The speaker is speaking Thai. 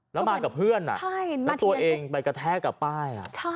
แล้วมากับเพื่อนแล้วตัวเองไปกระแทกกับป้าย